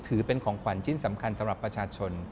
ถือเป็นของขวัญชิ้นสำคัญสำหรับประชาชน